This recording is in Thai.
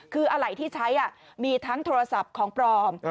คืออะไรที่ใช้มีทั้งโทรศัพท์ของปลอม